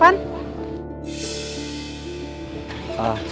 sayang bentar ya